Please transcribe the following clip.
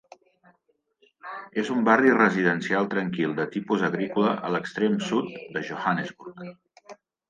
És un barri residencial tranquil de tipus agrícola a l'extrem sud de Johannesburg.